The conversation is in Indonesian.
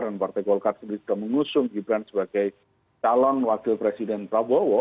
dan partai golkar sendiri sudah mengusung gibran sebagai calon wakil presiden prabowo